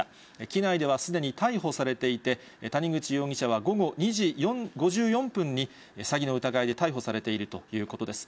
機内ではすでに逮捕されていて、谷口容疑者は午後２時５４分に、詐欺の疑いで逮捕されているということです。